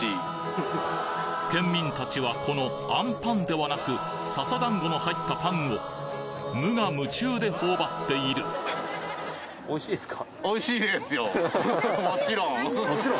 県民達はこのあんぱんではなく笹だんごの入ったパンを無我夢中で頬張っているおいしいですか？